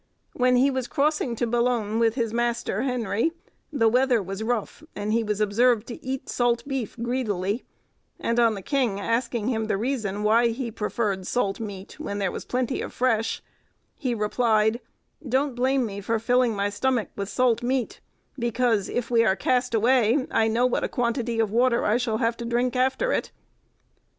When he was crossing to Boulogne with his master, Henry, the weather was rough, and he was observed to eat salt beef greedily, and on the king asking him the reason why he preferred salt meat when there was plenty of fresh, he replied, "Don't blame me for filling my stomach with salt meat, because, if we are cast away, I know what a quantity of water I shall have to drink after it."